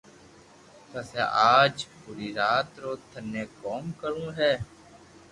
پسي آج پوري رات رو ٿني ڪوم ڪرو ھي